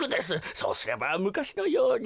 そうすればむかしのように。